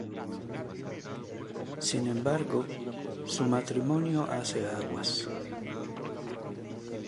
Sin embargo, su matrimonio hace aguas.